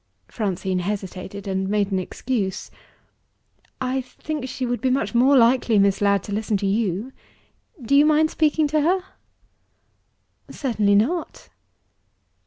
Francine hesitated and made an excuse. "I think she would be much more likely, Miss Ladd, to listen to you. Do you mind speaking to her?" "Certainly not!"